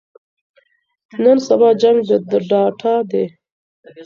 نن سبا جنګ د ډاټا دی.